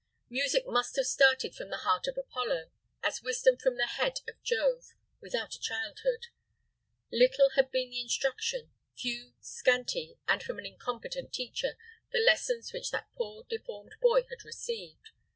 Music must have started from the heart of Apollo, as wisdom from the head of Jove, without a childhood. Little had been the instruction, few, scanty, and from an incompetent teacher, the lessons which that poor deformed boy had received.